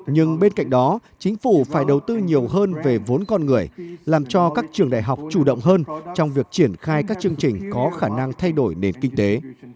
nhưng bên cạnh đó chính phủ phải đầu tư nhiều hơn về vốn con người làm cho các trường đại học chủ động hơn trong việc triển khai các chương trình có khả năng thay đổi nền kinh tế